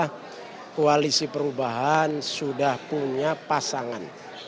karena koalisi perubahan sudah punya pasangan